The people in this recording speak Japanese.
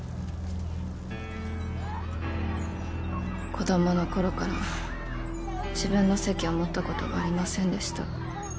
子どもの頃から自分の席を持ったことがありませんでした。